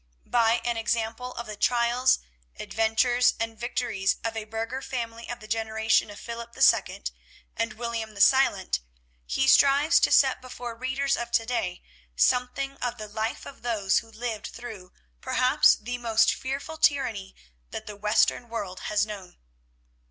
By an example of the trials, adventures, and victories of a burgher family of the generation of Philip II. and William the Silent, he strives to set before readers of to day something of the life of those who lived through perhaps the most fearful tyranny that the western world has known.